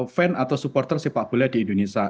fan atau supporter sepak bola di indonesia